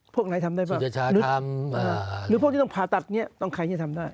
พวกไหนทำได้บ้างหรือพวกที่ต้องผ่าตัดเนี้ยต้องใครที่จะทำได้